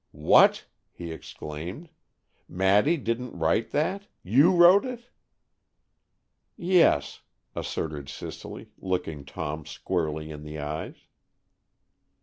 "What!" he exclaimed. "Maddy didn't write that? You wrote it?" "Yes," asserted Cicely, looking Tom squarely in the eyes.